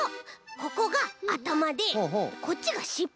ここがあたまでこっちがしっぽ！